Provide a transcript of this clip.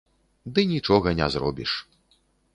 Ды нічога не зробіш.